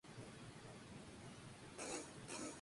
El ataque fracasó y se retiró.